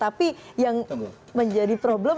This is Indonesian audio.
tapi yang menjadi problem